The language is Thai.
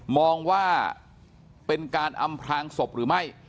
มองว่าเป็นการอำพลางศพหรือไม่